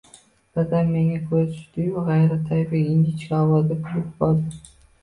Birdan menga ko‘zi tushdi-yu, g‘ayritabiiy, ingichka ovozda kulib yubordi.